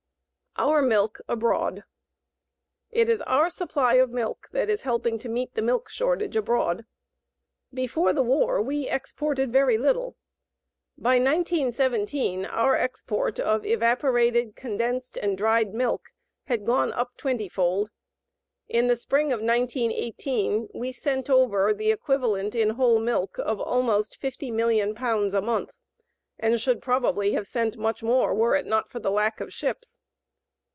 OUR MILK ABROAD It is our supply of milk that is helping to meet the milk shortage abroad. Before the war we exported very little. By 1917 our export of evaporated, condensed, and dried milk had gone up twentyfold. In the spring of 1918 we sent over the equivalent in whole milk of almost 50,000,000 pounds a month, and should probably have sent much more were it not for the lack of ships.